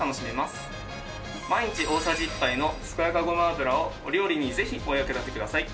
毎日大さじ１杯の健やかごま油をお料理にぜひお役立てください。